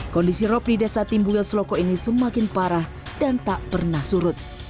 kondisi rop di desa timbul seloko ini semakin parah dan tak pernah surut